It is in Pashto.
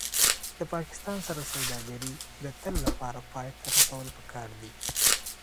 د پاکستان سره سوداګري د تل لپاره پای ته رسول پکار دي